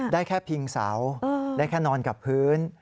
ได้แค่พิงเสาได้แค่นอนกับพื้น